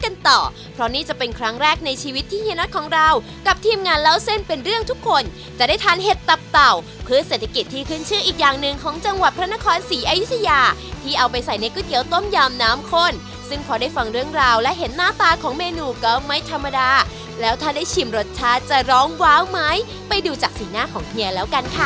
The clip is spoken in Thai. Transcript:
ในก๋วยเตี๋ยวต้มยำน้ำคนซึ่งพอได้ฟังเรื่องราวและเห็นหน้าตาของเมนูก็ออกไม่ธรรมดาแล้วถ้าได้ชิมรสชาติจะร้องเว้อไหมไปดูจากสีหน้าของเฮียแล้วกันค่ะ